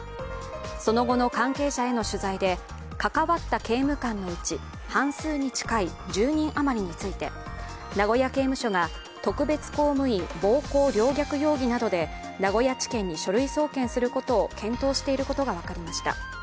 その後の関係者への取材で、関わった刑務官のうち半数に近い１０人余りについて名古屋刑務所が特別公務員暴行陵虐容疑などで名古屋地検に書類送検することを検討していることが分かりました。